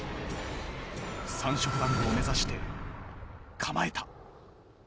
３色団子を目指して構えた。